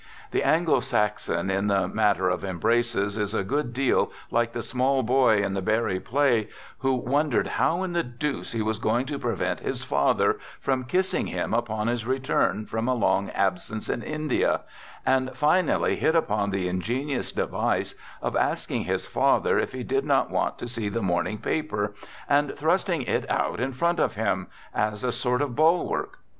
The Anglo Saxon, in the matter of embraces, is a good deal like the small boy in the Barrie play who wondered how in the deuce he was going to prevent his father from kissing him upon his return from a long absence in India, and finally hit upon the in genious device of asking his father if he did not want to see the morning paper, and thrusting it out in front of him — as a sort of bulwark.